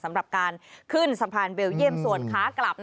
สำหรับการขึ้นสะพานเบลเยี่ยมส่วนขากลับ